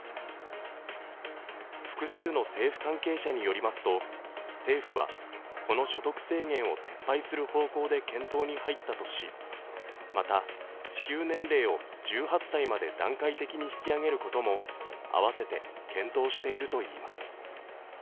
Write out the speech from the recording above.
複数の政府関係者によりますと政府はこの所得制限を撤廃する方向で検討に入ったとし、また支給年齢を１８歳まで段階的に引き上げることもあわせて検討しているといいます。